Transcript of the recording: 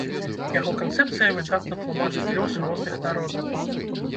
Яго канцэпцыя выдатна тлумачыць лёс розных народаў.